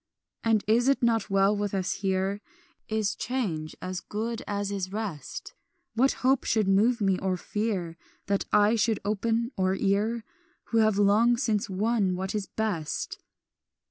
"And is it not well with us here? Is change as good as is rest? What hope should move me, or fear, That eye should open or ear, Who have long since won what is best?